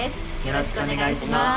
よろしくお願いします。